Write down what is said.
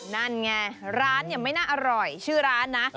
นั่นไงร้านเนี่ยไม่น่าอร่อยชื่อร้านนะ